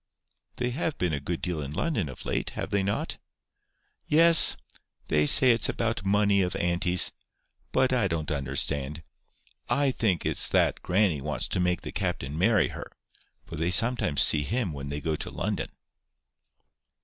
"They have been a good deal in London of late, have they not?" "Yes. They say it's about money of auntie's. But I don't understand. I think it's that grannie wants to make the captain marry her; for they sometimes see him when they go to London."